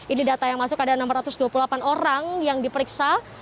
ini data yang masuk ada enam ratus dua puluh delapan orang yang diperiksa